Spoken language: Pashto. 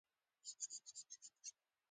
پلاستيکي توکي د شفافو کڅوړو په ډول هم وي.